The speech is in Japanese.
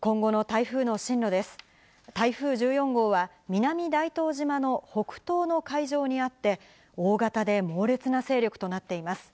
台風１４号は、南大東島の北東の海上にあって、大型で猛烈な勢力となっています。